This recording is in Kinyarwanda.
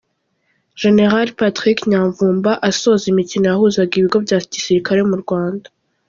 Gen Patrick Nyamvumba asoza imikino yahuzaga ibigo bya gisirikare mu Rwanda.